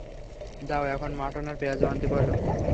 যাও এখন মাটন আর পেয়াজু আনতে বলো।